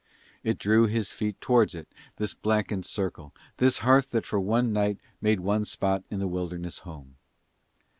It drew his feet towards it, this blackened circle, this hearth that for one night made one spot in the wilderness home.